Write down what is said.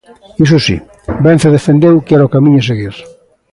Iso si, Vence defendeu que era o camiño a seguir.